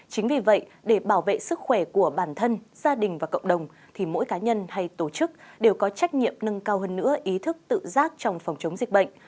chính vì vậy để bảo vệ sức khỏe của bản thân gia đình và cộng đồng thì mỗi cá nhân hay tổ chức đều có trách nhiệm nâng cao hơn nữa ý thức tự giác trong phòng chống dịch bệnh